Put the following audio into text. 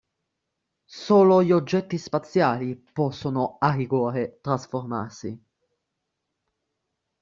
Solo gli oggetti spaziali possono a rigore trasformarsi.